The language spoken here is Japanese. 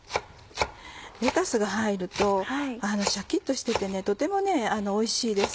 レタスが入るとシャキっとしててとてもおいしいです。